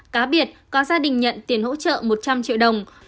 cá biệt có gia đình nhận tiền hỗ trợ một trăm linh triệu đồng